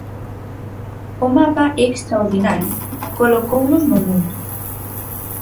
O mapa é extraordinario: colocounos no mundo.